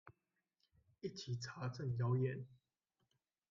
一起查證謠言